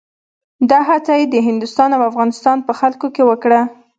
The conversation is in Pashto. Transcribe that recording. دا هڅه یې د هندوستان او افغانستان په خلکو کې وکړه.